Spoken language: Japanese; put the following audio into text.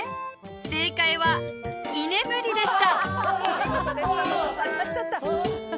正解は「居眠り」でした